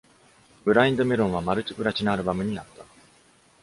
「Blind Melon」はマルチプラチナアルバムになった。